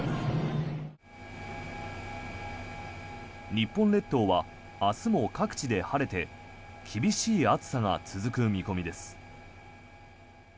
日本列島は明日も各地で晴れて厳しい暑さが続く見込みです。